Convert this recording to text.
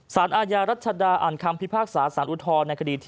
สารอาญารัชดาอ่านคำพิพากษาสารอุทธรณ์ในคดีที่